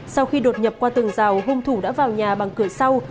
sau khi đột nhập qua tường rào hung thủ đã vào nhà bằng cửa sau